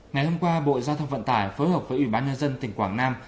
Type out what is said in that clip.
ngày hôm qua bộ giao thông vận tải phối hợp với ủy ban nhân dân tỉnh quảng nam